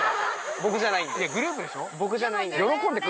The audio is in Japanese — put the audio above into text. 僕じゃないんで。